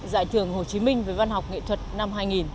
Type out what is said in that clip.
giải thưởng hồ chí minh về văn học nghệ thuật năm hai nghìn